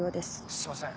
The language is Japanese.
すいません